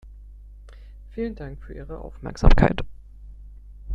Vielen Dank für Ihre Aufmerksamkeit!